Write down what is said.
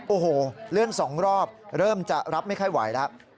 โอ้โหเลื่อน๒รอบเริ่มจะรับไม่ค่อยไหวแล้ว